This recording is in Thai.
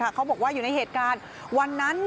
เขาบอกว่าอยู่ในเหตุการณ์วันนั้น๗๒๐๐๐๖๔๓๐๐๗